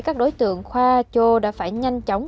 các đối tượng khoa chô đã phải nhanh chóng